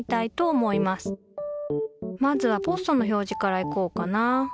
まずはポストの表示からいこうかな。